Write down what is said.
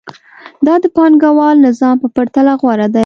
دا د پانګوال نظام په پرتله غوره دی